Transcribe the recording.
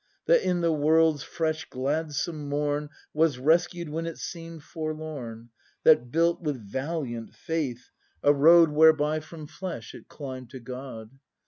That in the world's fresh gladsome Morn Was rescued when it seem'd forlorn. That built with valiant faith a road 43 44 BRAND [act i Whereby from Flesh it cllmb'd to God.